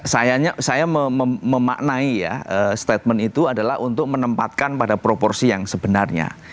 saya memaknai ya statement itu adalah untuk menempatkan pada proporsi yang sebenarnya